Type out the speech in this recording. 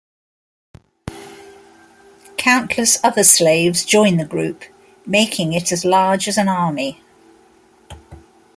Countless other slaves join the group, making it as large as an army.